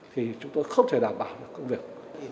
thì chúng tôi không thể đảm bảo được công việc